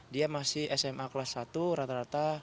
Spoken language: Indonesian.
dia masih sma kelas satu rata rata